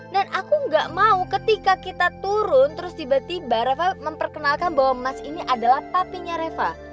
dan aku gak mau ketika kita turun terus tiba tiba reva memperkenalkan bahwa mas ini adalah papinya reva